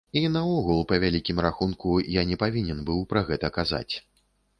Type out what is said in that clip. І наогул, па вялікім рахунку, я не павінен быў пра гэта казаць.